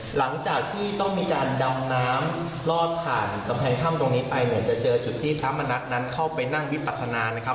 หลังจากที่ต้องมีการดำน้ำลอดผ่านกำแพงถ้ำตรงนี้ไปเนี่ยจะเจอจุดที่พระมณัฐนั้นเข้าไปนั่งวิปัฒนานะครับ